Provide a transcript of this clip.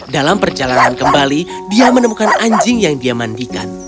dalam perjalanan kembali dia menemukan anjing yang dia mandikan